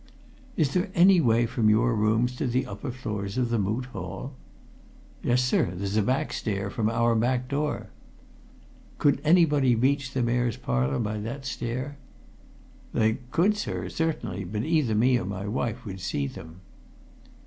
"Is there any way from your rooms to the upper floors of the Moot Hall?" "Yes, sir. There's a back stair, from our back door." "Could anybody reach the Mayor's Parlour by that stair?" "They could, sir, certainly; but either me or my wife would see them."